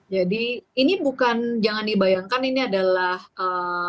jadi ini bukan jangan dibayangkan ini adalah topik